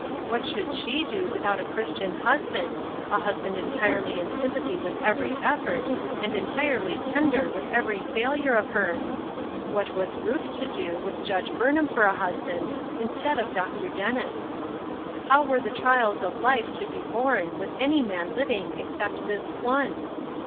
What should she do without a Christian husband — a husband entirely in sympathy with every effort, and entirely tender with every failure of hers ! What was Ruth to do, with Judge Burnham for a husband, instead of Dr. Dennis I How were the trials of life to be borne with any man living except this one